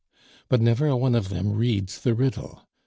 But never a one of them reads the riddle.